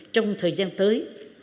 trong thời gian tới